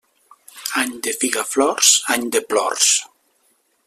Any de figaflors, any de plors.